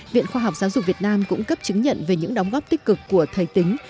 viện khoa học giáo dục việt nam cũng cấp chứng nhận về những đóng góp tích cực của thầy tính